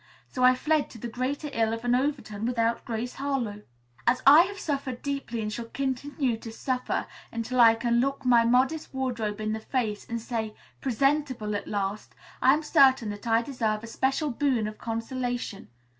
So I fled to the greater ill of an Overton without Grace Harlowe. "As I have suffered deeply and shall continue to suffer until I can look my modest wardrobe in the face and say, 'presentable at last,' I am certain that I deserve a special boon of consolation.